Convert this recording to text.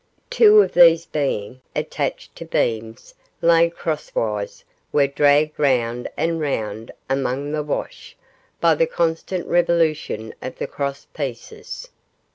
Two of these being attached to beams laid crosswise were dragged round and round among the wash by the constant revolution of the cross pieces.